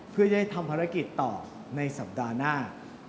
เพื่อได้ทำภารกิจต่อในสัปดาห์หน้า